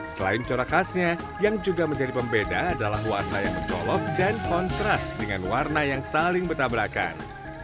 selain corak khasnya yang juga menjadi pembeda adalah warna yang mencolok dan kontras dengan warna yang saling bertabrakan